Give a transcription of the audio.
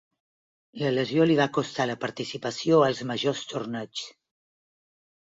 La lesió li va costar la participació als majors torneigs.